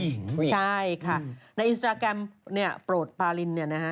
ผู้หญิงผู้หญิงใช่ค่ะในอินสตาแกรมเนี่ยโปรดปาลินเนี่ยนะคะ